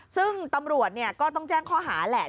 ซึ่งตำรวจก็ต้องแจ้งข้อหาแหละ